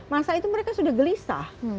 masa itu mereka sudah gelisah